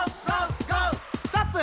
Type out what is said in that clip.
「ストップ！」